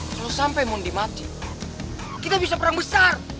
kalau sampai mondi mati kita bisa perang besar